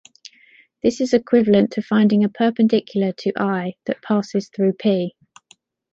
This is equivalent to finding a perpendicular to "l" that passes through "p".